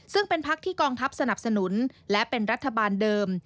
ซึ่งเป็นพักที่กองทัพสนับสนุนและเป็นรัฐบาลเดิม